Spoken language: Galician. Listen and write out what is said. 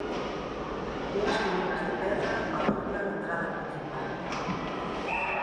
Unhas columnas de pedra adornan a entrada principal.